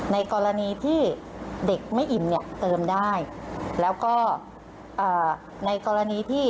ในกรณีที่เด็กไม่อิ่มเนี่ยเติมได้แล้วก็ในกรณีที่